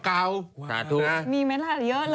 สาธุนะมีไหมล่ะเยอะเลย